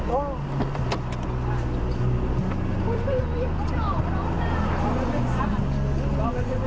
โอ้ย